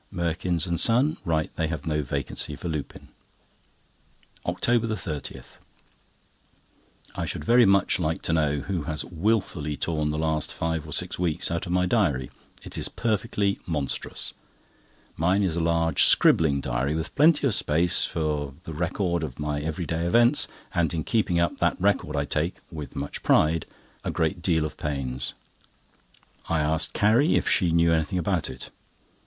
Merkins and Son write they have no vacancy for Lupin. OCTOBER 30.—I should very much like to know who has wilfully torn the last five or six weeks out of my diary. It is perfectly monstrous! Mine is a large scribbling diary, with plenty of space for the record of my everyday events, and in keeping up that record I take (with much pride) a great deal of pains. I asked Carrie if she knew anything about it.